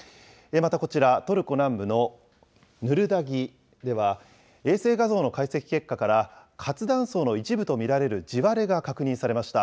またこちら、トルコ南部のヌルダギでは、衛星画像の解析結果から、活断層の一部と見られる地割れが確認されました。